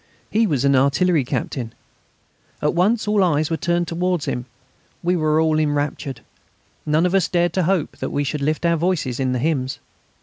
He was an artillery captain. At once all eyes were turned towards him; we were all enraptured. None of us dared to hope that we should lift our voices in the hymns.